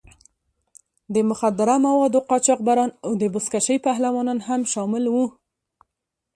د مخدره موادو قاچاقبران او د بزکشۍ پهلوانان هم شامل وو.